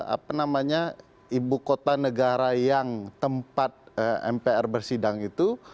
apa namanya ibu kota negara yang tempat mpr bersidang itu